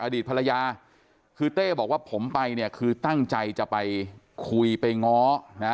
อดีตภรรยาคือเต้บอกว่าผมไปเนี่ยคือตั้งใจจะไปคุยไปง้อนะ